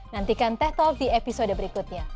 nantikan teh talk di episode berikutnya